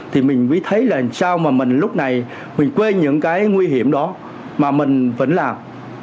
thì mình mới thấy là sao mà mình lúc này mình quên những cái nguy hiểm đó mà mình vẫn làm